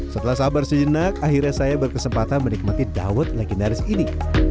setelah sabar sejenak akhirnya saya berkesempatan menikmati dawet legendaris ini